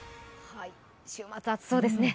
週末暑そうですね。